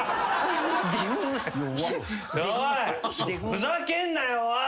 ふざけんなよおい！